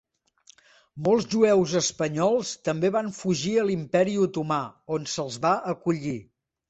Molts jueus espanyols també van fugir a l'Imperi Otomà, on se'ls va acollir.